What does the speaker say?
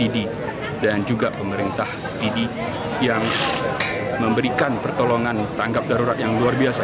dan juga pemerintah yang memberikan pertolongan tangkap darurat yang luar biasa